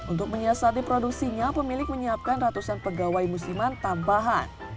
untuk menyiasati produksinya pemilik menyiapkan ratusan pegawai musiman tambahan